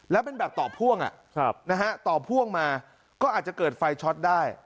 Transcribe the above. แล้วเป็นแบบต่อพ่วงต่อพ่วงมาก็อาจจะเกิดไฟช็อตได้